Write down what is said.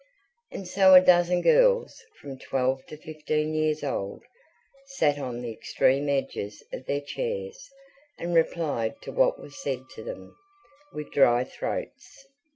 And so a dozen girls, from twelve to fifteen years old, sat on the extreme edges of their chairs, and replied to what was said to them, with dry throats.